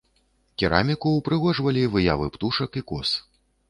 Кераміку ўпрыгожвалі выявы птушак і коз.